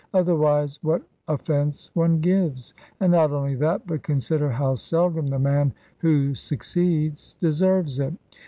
Otherwise, what offence one gives! And not only that, but consider how seldom the man who succeeds deserves it.